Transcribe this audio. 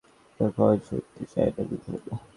আপনার ক্ষমা শুনতে চাই না, বুঝলেন?